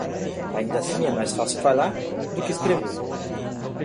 ainda assim é mais fácil falar, do que escrever.